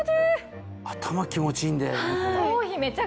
頭気持ちいいんだよね。